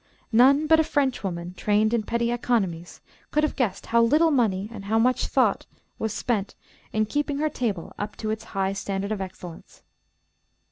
None but a French woman, trained in petty economies, could have guessed how little money and how much thought was spent in keeping her table up to its high standard of excellence.